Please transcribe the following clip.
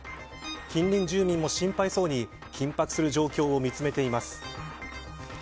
近隣住民も心配そうに緊迫する状況を見つめています。